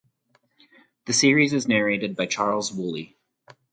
The series is narrated by Charles Wooley.